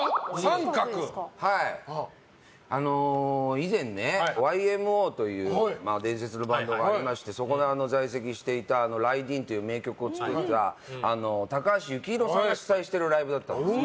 以前ね、ＹＭＯという伝説のバンドがありましてそこに在籍していた「ライディーン」という名曲を作った高橋幸宏さんが主催してるライブだったんです。